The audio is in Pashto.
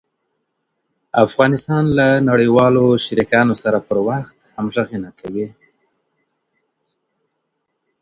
افغانستان له نړیوالو شریکانو سره پر وخت همږغي نه کوي.